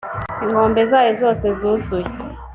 inkombe zayo zose zuzuye